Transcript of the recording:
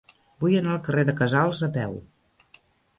Vull anar al carrer de Casals a peu.